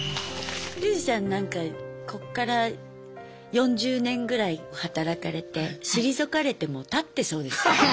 ユージさんなんかこっから４０年ぐらい働かれて退かれても立ってそうですよね。